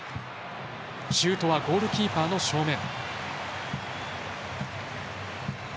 シュートはゴールキーパーの正面。